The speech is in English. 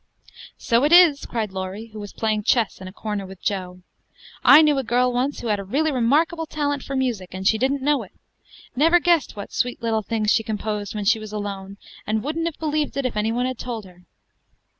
"So it is," cried Laurie, who was playing chess in a corner with Jo. "I knew a girl once who had a really remarkable talent for music, and she didn't know it; never guessed what sweet little things she composed when she was alone, and wouldn't have believed it if any one had told her."